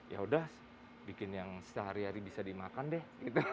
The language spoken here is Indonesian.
yaudah bikin yang sehari hari bisa dimakan deh gitu